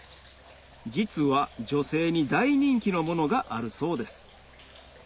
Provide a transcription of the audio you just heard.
実は女性に大人気のものがあるそうです